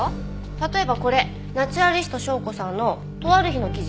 例えばこれナチュラリスト紹子さんのとある日の記事。